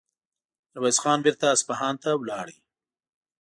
ميرويس خان بېرته اصفهان ته لاړ.